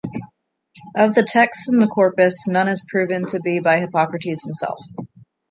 Of the texts in the corpus, none is proven to be by Hippocrates himself.